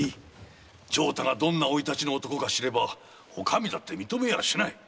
長太がどんな生い立ちの男か知ればお上だって認めやしない。